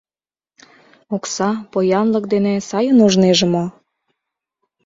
Окса, поянлык дене сайын ужнеже мо?